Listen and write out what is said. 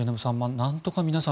なんとか皆さん